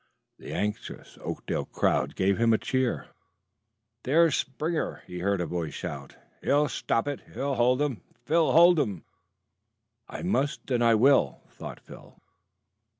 The anxious Oakdale crowd gave him a cheer. "There's Springer!" he heard a voice shout. "He'll stop it. Hold 'em, Phil hold 'em!" "I must, and I will," thought Phil.